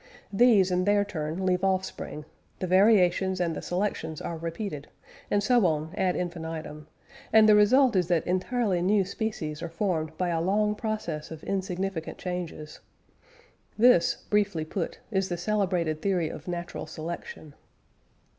These in their turn leave offspring, the variations and the selections are repeated, and so on ad infinitum; and the result is that entirely new species are formed by a long process of insignificant changes. This, briefly put, is the celebrated theory of "Natural Selection."